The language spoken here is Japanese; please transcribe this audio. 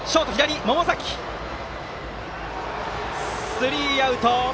スリーアウト！